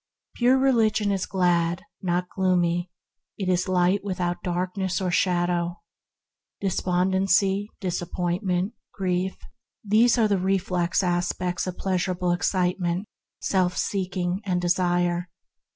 Pure Religion is glad, not gloomy. It is Light without darkness or shadow. 156 THE HEAVENLY LIFE Despondency, disappointment, grief: these are the reflex aspects of pleasurable excite ment, self seeking, and desire.